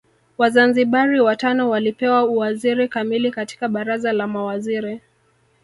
Wazanzibari watano walipewa uwaziri kamili katika Baraza la Mawaziri